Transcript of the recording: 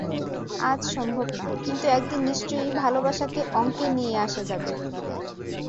আজ সম্ভব না, কিন্তু একদিন নিশ্চয়ই ভালবাসাকে অঙ্কে নিয়ে আসা যাবে।